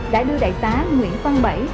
đã đưa đại tá nguyễn văn bảy